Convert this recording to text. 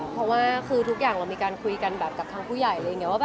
เพราะว่าคือทุกอย่างเรามีการคุยกันกับทางผู้ใหญ่